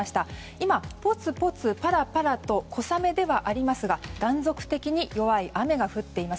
今ポツポツ、パラパラと小雨ではありますが断続的に弱い雨が降っています。